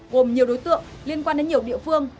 gồm nhiều đối tượng liên quan đến nhiều địa phương